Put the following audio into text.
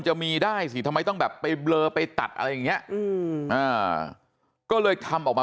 จะมีได้สิทำไมต้องแบบไปเบลอไปตัดอะไรอย่างเงี้ยอืมอ่าก็เลยทำออกมา